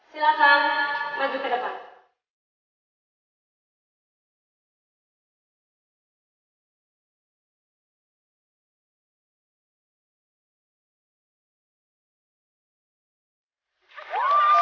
silakan maju ke depan